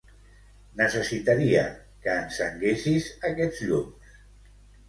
Necessitaria que encenguessis aquests llums.